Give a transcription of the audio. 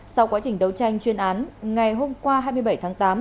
sau quá trình đấu tranh chuyên án ngày hôm qua hai mươi bảy tháng tám